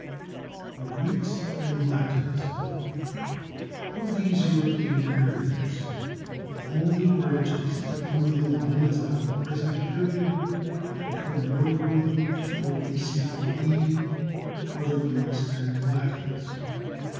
THE GREEKS AND LATINS Of these European Aryans the only branches that come within the limits of our present period, that become noteworthy before B.C. 480, are the Greeks and Latins.